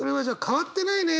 「変わってないね」